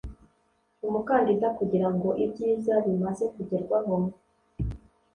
umukandida kugirango ibyiza bimaze kugerwaho